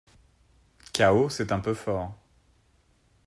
Chaos, c’est un peu fort